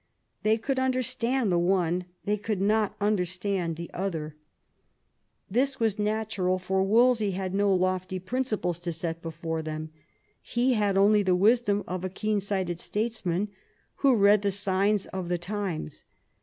They could under stand the one; they could not understand the other. 148 THOMAS WOLSEY chap. This was natural, for Wolsey had no lofty principles to set before them ; he had only the wisdom of a keen sighted statesman, who read the signs of the times.